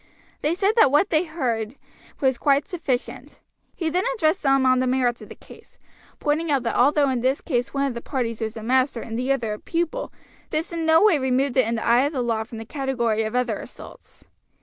They said that what they had heard was quite sufficient. He then addressed them on the merits of the case, pointing out that although in this case one of the parties was a master and the other a pupil this in no way removed it in the eye of the law from the category of other assaults.